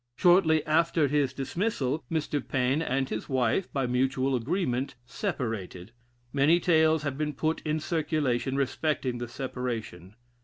Shortly after his dismissal, Mr. Paine and his wife, by mutual agreement, separated. Many tales have been put in circulation respecting the separation.